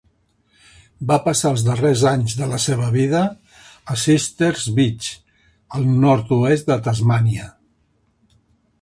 Va passar els darrers anys de la seva vida a Sisters Beach, al nord-oest de Tasmània.